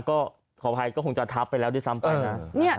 ก็ขออภัยก็คงจะทับไปแล้วด้วยซ้ำไปนะ